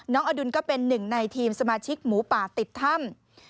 อดุลก็เป็นหนึ่งในทีมสมาชิกหมูป่าติดถ้ำ